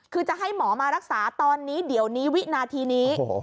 คือจะให้หมอมารักษาตอนนี้เดี๋ยวนี้วินาทีนี้